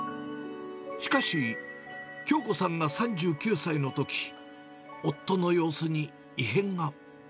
しかし、京子さんが３９歳のとき、夫の様子に異変が。